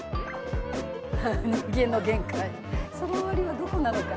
「人間の限界その終わりはどこなのか？」